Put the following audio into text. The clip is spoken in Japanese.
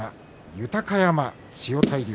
豊山、千代大龍